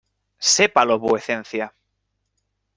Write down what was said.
sépalo vuecencia: